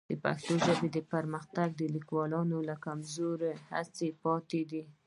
د پښتو ژبې پرمختګ د لیکوالانو له کمزورې هڅې پاتې دی.